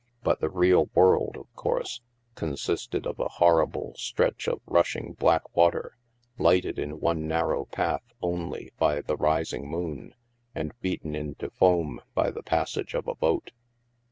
But the real world, of course, consisted of a horrible stretch of rushing black water, lighted in one narrow path only by the rising moon, and beaten into foam by the passage of a boat.